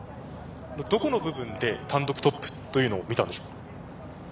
どこの部分で単独トップというのを見たんでしょう。